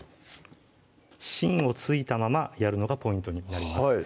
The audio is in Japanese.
芯を付いたままやるのがポイントになります